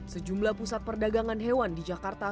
sejumlah pusat perdagangan hewan di jakarta